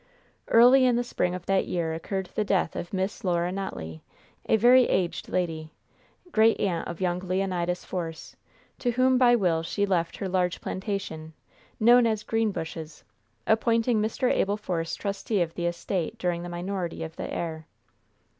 Early in the spring of that year occurred the death of Miss Laura Notley, a very aged lady, great aunt of young Leonidas Force, to whom by will she left her large plantation, known as Greenbushes, appointing Mr. Abel Force trustee of the estate during the minority of the heir.